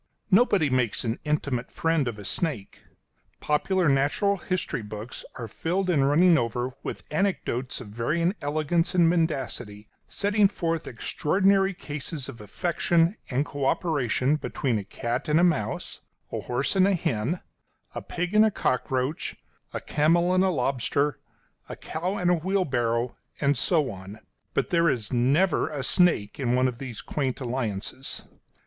Nobody makes an intimate friend of a snake. Popular natural history books are filled and running over with anecdotes of varying elegance and mendacity, setting forth extraordinary cases of affection and co operation between a cat and a mouse, a horse and a hen, a pig and a cockroach, a camel and a lobster, a cow and a wheelbarrow, and so on; but there is never a snake in one of these quaint alliances.